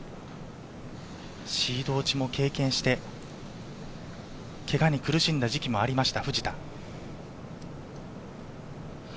シード落ちも経験して、ケガに苦しんだ時期もありました、藤田。